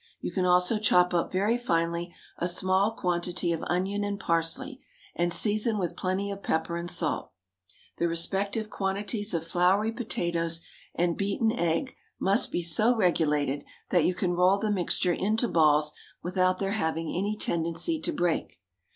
You can also chop up very finely a small quantity of onion and parsley, and season with plenty of pepper and salt. The respective quantities of floury potatoes and beaten egg must be so regulated that you can roll the mixture into balls without their having any tendency to break.